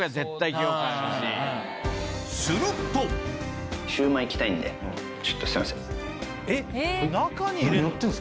するとちょっとすいません。